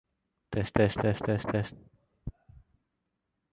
He went to high school at Melfort and Unit Comprehensive Collegiate.